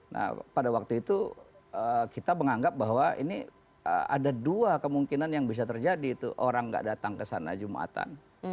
nah pada waktu itu kita menganggap bahwa ini ada dua kemungkinan yang bisa terjadi tuh orang gak datang ke sana jumatan